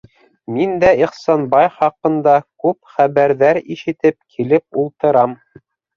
Мин дә Ихсанбай хаҡында күп хәбәрҙәр ишетеп килеп ултырам.